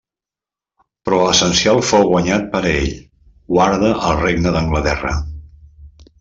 Però l'essencial fou guanyat per a ell: guarda el Regne d'Anglaterra.